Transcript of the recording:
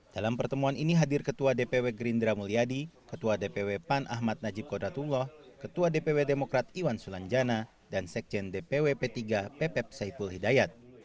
dalam pertemuan ini hadir ketua dpw gerindra mulyadi ketua dpw pan ahmad najib kodratullah ketua dpw demokrat iwan sulanjana dan sekjen dpw p tiga pepep saiful hidayat